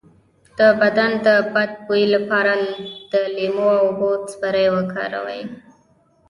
د بدن د بد بوی لپاره د لیمو او اوبو سپری وکاروئ